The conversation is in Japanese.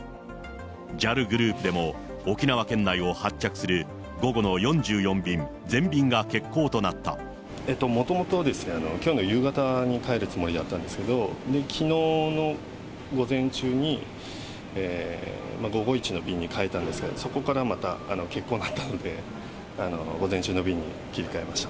ＪＡＬグループでも沖縄県内を発着する午後の４４便全便が欠航ともともときょうの夕方に帰るつもりだったんですけど、きのうの午前中に午後いちの便に変えたんですけど、そこからまた欠航になったので、午前中の便に切り替えました。